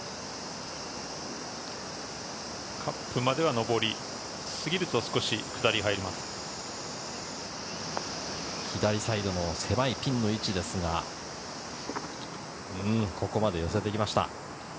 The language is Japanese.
カップまでは上り、すぎると左サイドの狭いピンの位置ですが、ここまで寄せてきました。